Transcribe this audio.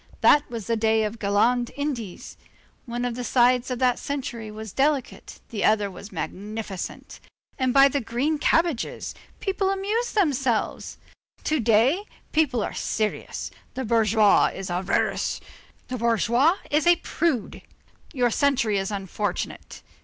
That was the day of the Galland Indies. One of the sides of that century was delicate, the other was magnificent; and by the green cabbages! people amused themselves. To day, people are serious. The bourgeois is avaricious, the bourgeoise is a prude; your century is unfortunate.